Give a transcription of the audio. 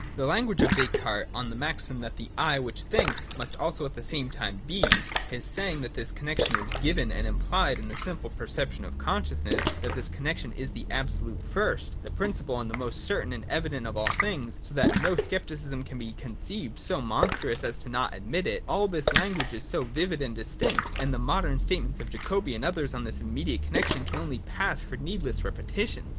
The language of Descartes on the maxim that the ' I ' which thinks must also at the same time be, his saying that this connexion is given and implied in the simple perception of consciousness, — that this connexion is the absolute first, the principle, the most certain and evident of all things, so that no scepticism can be conceived so monstrous as not to admit it :— all this language is so vivid and distinct, that the modern statements of Jacobi and others on this immediate connexion can only pass for needless repetitions.